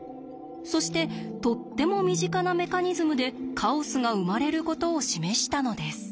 そしてとっても身近なメカニズムでカオスが生まれることを示したのです。